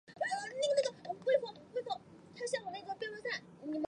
接地常数会随各地区的土壤化学成份以及密度而不同。